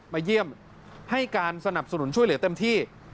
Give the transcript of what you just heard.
มาเยี่ยมให้การสนับสนุนช่วยเหลือเต็มที่